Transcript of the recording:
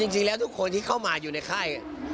จริงแล้วทุกคนที่เข้ามาอยู่ในค่าย